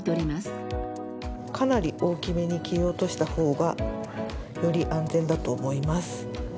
かなり大きめに切り落とした方がより安全だと思います。